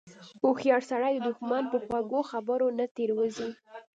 هوښیار سړی د دښمن په خوږو خبرو نه تیر وځي.